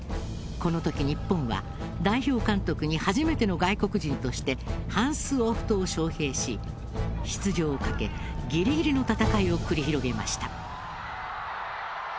この時、日本は代表監督に初めての外国人としてハンス・オフトを招へいし出場をかけギリギリの戦いを繰り広げました。